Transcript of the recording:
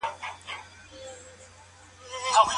د پښتنو نجونې چاته په زور نه ورکول کېږي.